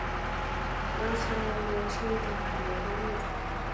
琉球峨螺是一种海螺的物种。